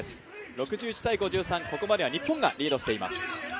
６１−５３、ここまでは日本がリードしています。